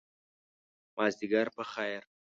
مازدیګر په خیر !